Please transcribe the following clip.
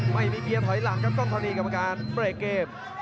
ไม่มีเบียร์ถอยหลังครับกล้องธรณีกรรมการเบรกเกม